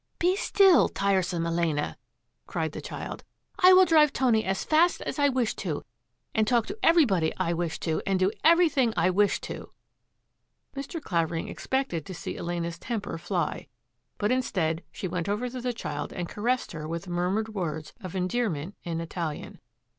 " Be still, tiresome Elena! " cried the child. " I will drive Tony as fast as I wish to, and talk to everybody I wish to, and do everything I wish to." Mr. Clavering expected to see Elena's temper fly, but instead she went over to the child and caressed her with murmured words of endearment in Italian.